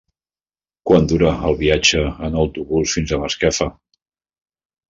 Quant dura el viatge en autobús fins a Masquefa?